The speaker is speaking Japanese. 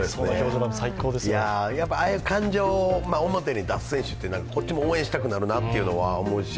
ああいう感情を表に出す選手ってこっちも応援したくなるなというのは思うし